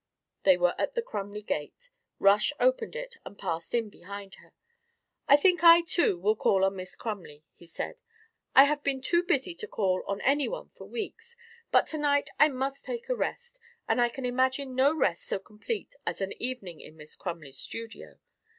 They were at the Crumley gate. Rush opened it and passed in behind her. "I think I too will call on Miss Crumley," he said. "I have been too busy to call on any one for weeks, but to night I must take a rest, and I can imagine no rest so complete as an evening in Miss Crumley's studio.